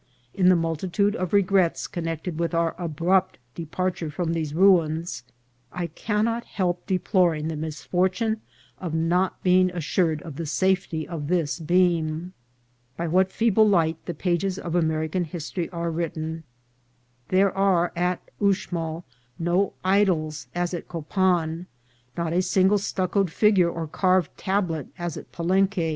In the multitude of regrets connected with our abrupt departure from these ruins, I cannot help deploring the misfortune of not being as sured of the safety of this beam. By what feeble light the pages of American history are written ! There are at Uxmal no " idols," as at Copan ; not a single stuc coed figure or carved tablet, as at Palenque.